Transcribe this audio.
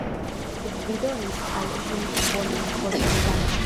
Sed vi donis al ŝi bonan forregalon!